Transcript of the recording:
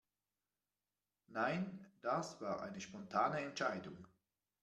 Nein, das war eine spontane Entscheidung.